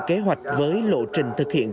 kế hoạch với lộ trình thực hiện